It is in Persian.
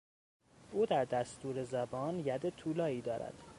او در دستور زبان ید طولایی دارد.